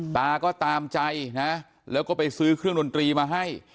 ตาก็ตามใจนะแล้วก็ไปซื้อเครื่องดนตรีมาให้